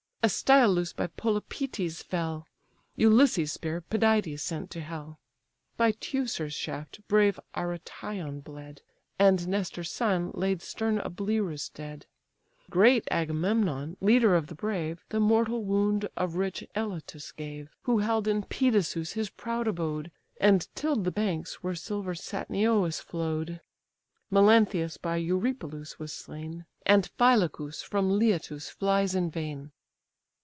Astyalus by Polypœtes fell; Ulysses' spear Pidytes sent to hell; By Teucer's shaft brave Aretaon bled, And Nestor's son laid stern Ablerus dead; Great Agamemnon, leader of the brave, The mortal wound of rich Elatus gave, Who held in Pedasus his proud abode, And till'd the banks where silver Satnio flow'd. Melanthius by Eurypylus was slain; And Phylacus from Leitus flies in vain.